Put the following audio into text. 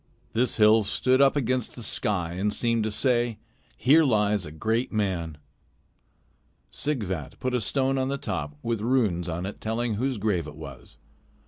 This hill stood up against the sky and seemed to say: "Here lies a great man." Sighvat put a stone on the top, with runes on it telling whose grave it was.